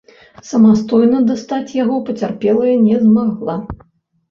Самастойна дастаць яго пацярпелая не змагла.